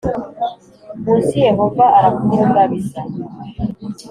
munsi Yehova arakungabiza